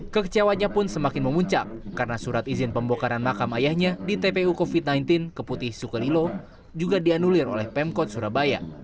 kekecewanya pun semakin memuncak karena surat izin pembokaran makam ayahnya di tpu covid sembilan belas keputih sukolilo juga dianulir oleh pemkot surabaya